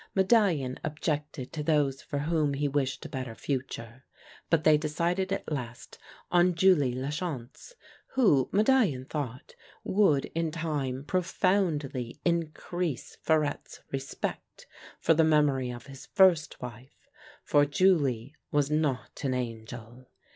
Medallion objected to those for whom he wished a better future, but they decided at last on Julie Lachance, who, Medallion thought, would in time profoundly increase Farette's respect for the memory of his first wife ; for Julie was not an angel.